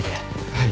はい。